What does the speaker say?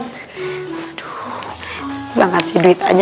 aduh udah ngasih duit aja